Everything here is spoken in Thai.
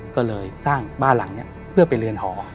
ก็เลยสร้างบ้านหลังนี้เพื่อไปเรียนหอ